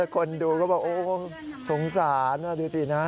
คนดูก็บอกโอ้สงสารดูสินะ